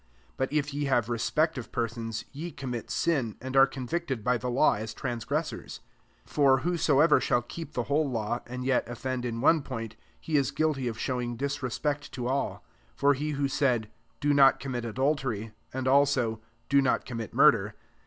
9 but if ye have, respect of fier sons, ye commit sin, and are convicted by the law as tnais gressors. 10 For whosower shall keep the whole law, and yet ofiend in one fiointy he is guilty oi showing di^reafkect f*aU.J 1 1 For he who said, << Domt commit adultery," said iiK>, " Do not commit murdkr."